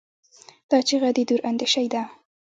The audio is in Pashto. دا چیغه د دوراندیشۍ ده.